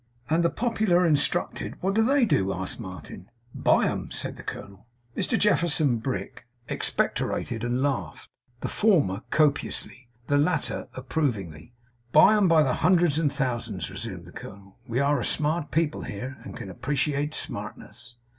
'And the popular instructed what do they do?' asked Martin. 'Buy 'em:' said the colonel. Mr Jefferson Brick expectorated and laughed; the former copiously, the latter approvingly. 'Buy 'em by hundreds of thousands,' resumed the colonel. 'We are a smart people here, and can appreciate smartness.